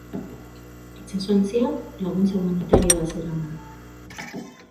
Itsasontziak laguntza humanitarioa zeraman.